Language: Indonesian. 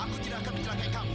aku tidak akan mencelakai kamu